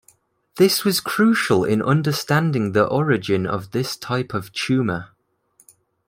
This was crucial in understanding the origin of this type of tumor.